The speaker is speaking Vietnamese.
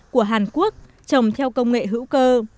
của hàn quốc trồng theo công nghệ hữu cơ